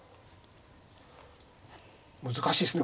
難しいですね。